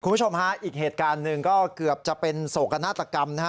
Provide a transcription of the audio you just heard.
คุณผู้ชมฮะอีกเหตุการณ์หนึ่งก็เกือบจะเป็นโศกนาฏกรรมนะฮะ